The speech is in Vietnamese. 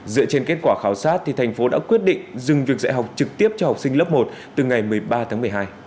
dựa trên kết quả khảo sát thì thành phố đã quyết định dừng việc dạy học trực tiếp cho học sinh lớp một từ ngày một mươi ba tháng một mươi hai